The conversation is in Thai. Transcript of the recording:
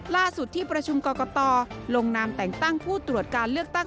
ล่าสุดที่ประชุมกรกตลงนามแต่งตั้งผู้ตรวจการเลือกตั้ง